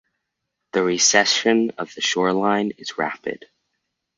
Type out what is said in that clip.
The recession of the shore line is rapid.